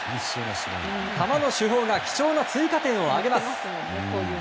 ハマの主砲が貴重な追加点を挙げます。